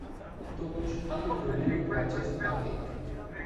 Totuși, am o problemă cu acest pachet.